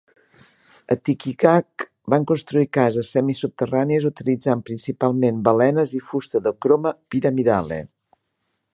A Tikigaq van construir cases semi-subterrànies utilitzant principalment balenes i fusta d'Ochroma pyramidale.